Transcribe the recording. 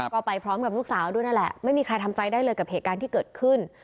ก็ไปพร้อมกับลูกสาวด้วยนั่นแหละไม่มีใครทำใจได้เลยกับเหตุการณ์ที่เกิดขึ้น